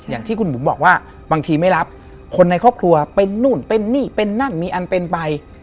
อย่างที่คุณบุ๋มบอกว่าบางทีไม่รับคนในครอบครัวเป็นนู่นเป็นนี่เป็นนั่นมีอันเป็นไป